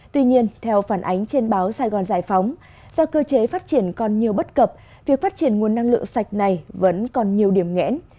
tuy nhiên theo phản ánh trên báo sài gòn giải phóng do cơ chế phát triển còn nhiều bất cập việc phát triển nguồn năng lượng sạch này vẫn còn nhiều điểm nghẽn